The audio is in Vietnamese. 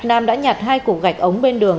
nam đã nhặt hai cục gạch ống bên đường